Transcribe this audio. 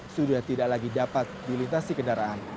sudah tidak lagi dapat dilintasi kendaraan